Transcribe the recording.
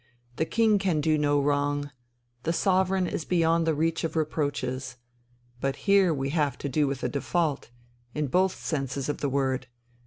The King can do no wrong.... The sovereign is beyond the reach of reproaches. But here we have to do with a default ... in both senses of the word!...